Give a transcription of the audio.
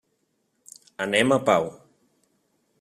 Anem a Pau.